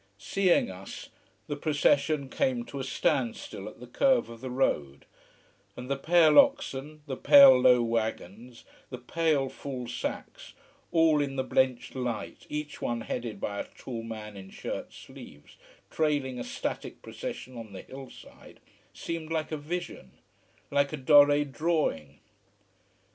Seeing us, the procession came to a standstill at the curve of the road, and the pale oxen, the pale low wagons, the pale full sacks, all in the blenched light, each one headed by a tall man in shirt sleeves, trailing a static procession on the hill side, seemed like a vision: like a Doré drawing.